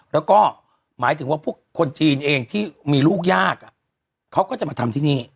แล้วก็หมายถึงว่าพวกคนจีนเองที่มีลูกยากเขาก็จะมาทำที่นี่